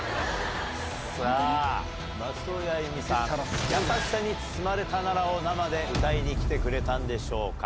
松任谷由実さん、やさしさに包まれたならを生で歌いに来てくれたんでしょうか。